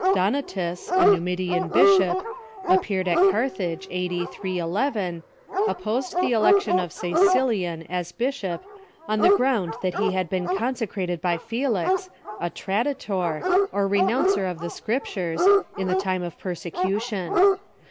Donatus, a Numidian bishop, appeared at Carthage a.d. 311, opposed the election of Ca^cilian as bishop on the ground that he had been consecrated by Felix, a tradi tor, or renouncer of the Scriptures, in the time of persecution.